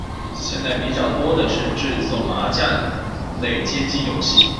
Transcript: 现在比较多的是制作麻将类街机游戏。